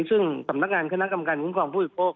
ซึ่งสำนักงานคณะกรรมการคุ้มครองผู้บริโภค